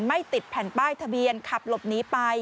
ไม่ติดแผ่นป้ายทะเบียนขับหลบหนีไป